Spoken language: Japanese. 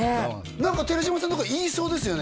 何か寺島さんとか言いそうですよね